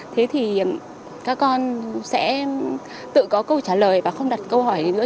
thế thì các con sẽ tự có câu trả lời và không đặt câu hỏi gì nữa